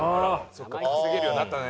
そっか稼げるようになったね。